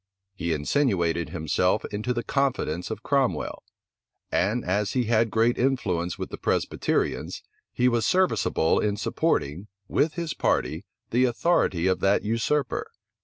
He insinuated himself into the confidence of Cromwell; and as he had great influence with the Presbyterians, he was serviceable in supporting, with his party, the authority of that usurper.